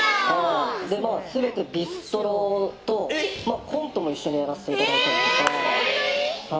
ビストロと、コントも一緒にやらせていただいたりとか。